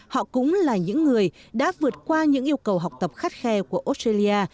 họ cũng là những người đã vượt qua những yêu cầu học tập khắt khe của australia